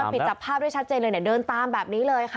ปิดจับภาพได้ชัดเจนเลยเนี่ยเดินตามแบบนี้เลยค่ะ